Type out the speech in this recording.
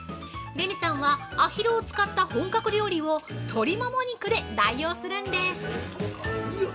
レミさんはアヒルを使った本格料理を鶏もも肉で代用するんです。